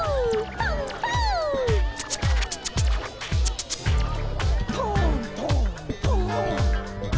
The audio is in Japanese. トントントントトントン。